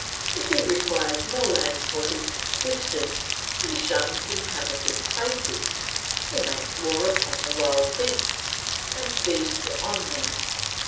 If he requires more land for his subsistence he shuns inhabited places; he makes war upon the wild beasts and feeds on them.